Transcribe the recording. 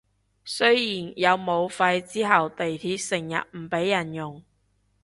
雖然有武肺之後地鐵成日唔畀人用